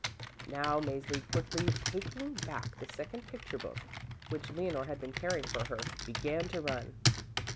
Now, Mäzli quickly taking back the second picture book, which Leonore had been carrying for her, began to run.